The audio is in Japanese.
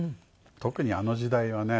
特にあの時代はね